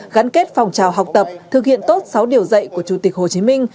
gắn kết phòng trào học tập thực hiện tốt sáu điều dạy của chủ tịch hồ chí minh